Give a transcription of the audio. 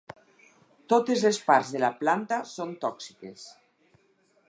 Totes les parts de la planta són tòxiques.